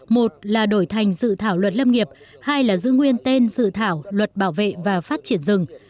một là đổi thành dự thảo luật lâm nghiệp hai là giữ nguyên tên dự thảo luật bảo vệ và phát triển rừng